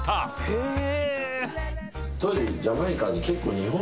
へえ！